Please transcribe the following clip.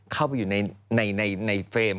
เข้าไปอยู่ในเฟรม